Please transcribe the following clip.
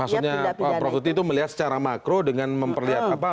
maksudnya prof uti itu melihat secara makro dengan memperlihatkan